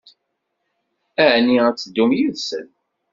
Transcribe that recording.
Ɛni ad teddum yid-sen?